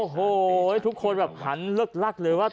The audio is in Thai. โหทุกคนแบบหันเลิกลักษณ์เลยว่า